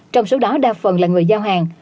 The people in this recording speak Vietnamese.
trong số đó đa phần là người giao hàng